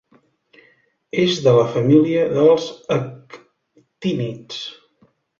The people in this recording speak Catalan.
És de la família dels Actínids.